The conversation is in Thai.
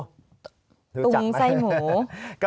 ตุงไส้หมูรู้จักไหมครับ